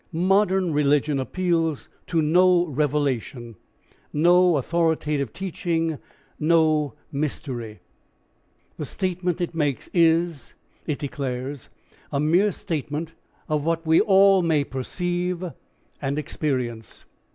Modern religion appeals to no revelation, no authoritative teaching, no mystery. The statement it makes is, it declares, a mere statement of what we may all perceive and experience.